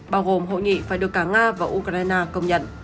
bao gồm hội nghị phải được cả nga và ukraine công nhận